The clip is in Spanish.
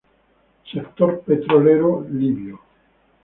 Sector petrolero libio.